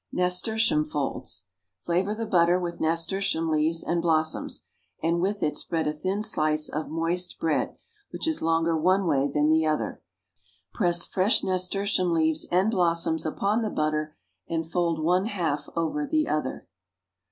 =Nasturtium Folds.= Flavor the butter with nasturtium leaves and blossoms, and with it spread a thin slice of moist bread, which is longer one way than the other. Press fresh nasturtium leaves and blossoms upon the butter and fold one half over the other.